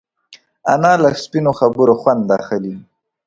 انا له سپینو خبرو خوند اخلي